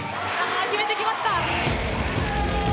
決めてきました！